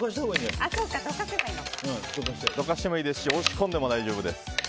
どかしてもいいですし押し込んでも大丈夫です。